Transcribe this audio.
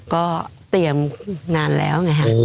ก็เตรียมนานแล้ว